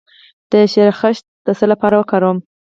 د شیرخشت د څه لپاره وکاروم؟